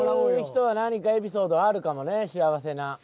こういう人は何かエピソードあるかもね幸せな。